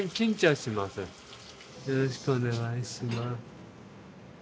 よろしくお願いします。